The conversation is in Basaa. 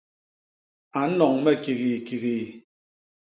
A nnoñ me kigiikigii.